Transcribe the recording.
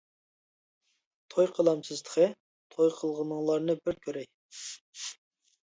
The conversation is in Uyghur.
-توي قىلامسىز تېخى؟ ! توي قىلغىنىڭلارنى بىر كۆرەي!